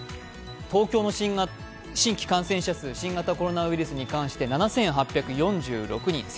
東京の新規感染者数、新型コロナウイルスに関して７８４６人。